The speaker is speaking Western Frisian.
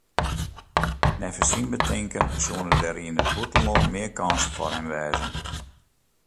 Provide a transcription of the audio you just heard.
Neffens syn betinken soene der yn it bûtenlân mear kânsen foar him wêze.